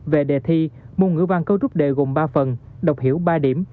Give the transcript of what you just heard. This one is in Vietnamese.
về đề thi môn ngữ văn cấu trúc đề gồm ba phần đọc hiểu ba điểm